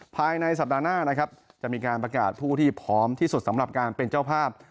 ภายในสัปดาห์หน้านะครับจะมีการประกาศผู้ที่พร้อมที่สุดสำหรับการเป็นเจ้าภาพ